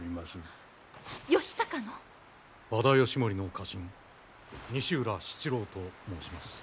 和田義盛の家臣西浦七郎と申します。